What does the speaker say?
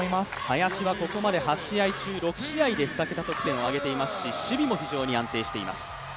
林はここまで８試合中６試合で２桁得点を挙げていますし守備も非常に安定しています。